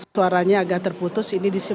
saya agak terputus